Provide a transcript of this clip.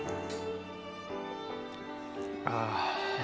ああ。